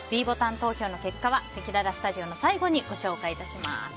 ｄボタン投票の結果はせきららスタジオの最後にご紹介致します。